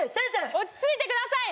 落ち着いてください！